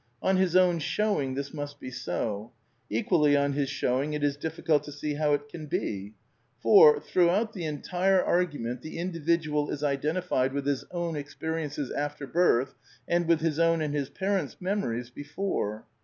On his own showing this must be so. Equally on his showing it is difficult to see how it can be. For, throughout the entire argument the individual is identified with his own experiences after birth and with his own and his par ents' memories before.